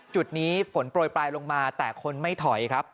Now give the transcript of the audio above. จุดนี้ฝนโปรยปลายลงมาแต่คนไม่ถอยครับ